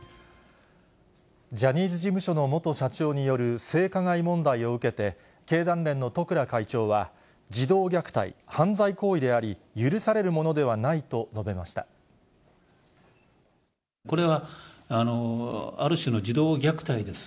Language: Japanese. ジャニーズ事務所の元社長による性加害問題を受けて、経団連の十倉会長は、児童虐待、犯罪行為であり、許されるものでこれはある種の児童虐待です。